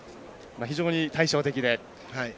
非常に対照的で。